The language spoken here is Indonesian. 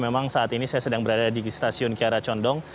memang saat ini saya sedang berada di stasiun kiara condong